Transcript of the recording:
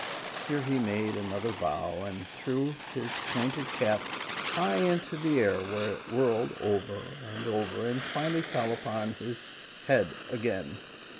Here he made another bow and threw his pointed cap high into the air, where it whirled over and over and finally fell straight upon his head again.